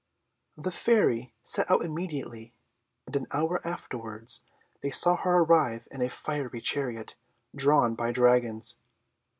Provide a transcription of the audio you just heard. The Fairy set out immediately and an hour afterwards they saw her arrive in a fiery chariot, drawn by dragons.